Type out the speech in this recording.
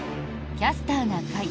「キャスターな会」。